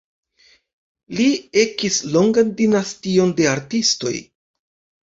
Li ekis longan dinastion de artistoj.